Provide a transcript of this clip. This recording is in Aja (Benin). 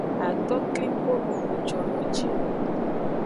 Atokliko dudu jono ji ni.